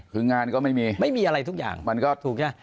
คืองานก็ไม่มีไม่มีอะไรทุกอย่างมันก็ถูกใช่ไหม